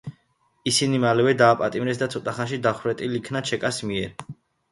ისინი მალევე დააპატიმრეს და ცოტა ხანში დახვრეტილ იქნენ ჩეკას მიერ.